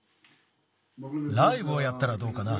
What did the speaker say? ライブをやったらどうかな？